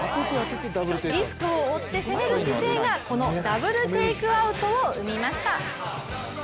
リスクを負って攻める姿勢がこのダブルテイクアウトを生みました。